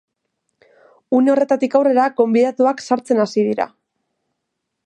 Une horretarik aurrera, gonbidatuak sartzen hasi dira.